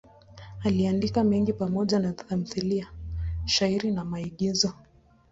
Aliandika mengi pamoja na tamthiliya, shairi na maigizo.